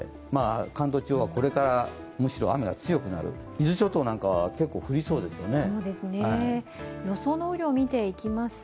関東地方はこれからむしろ雨が強くなる伊豆諸島などは結構降りそうですよね。